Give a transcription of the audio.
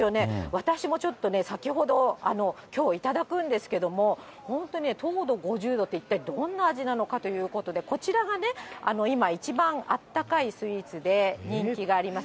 私もちょっとね、先ほど、きょう、頂くんですけれども、本当に、糖度５０度って一体どんな味なのかということで、こちらが今、一番あったかいスイーツで人気があります。